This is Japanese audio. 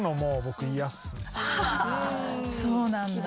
そうなんだ。